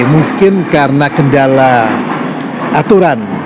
mungkin karena kendala aturan